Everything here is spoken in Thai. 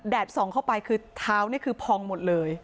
ส่องเข้าไปคือเท้านี่คือพองหมดเลย